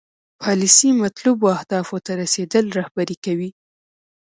پالیسي مطلوبو اهدافو ته رسیدل رهبري کوي.